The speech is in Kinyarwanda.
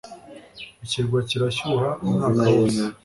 ikirwa kirashyuha umwaka wose